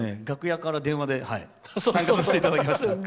楽屋から電話で対応させていただきました。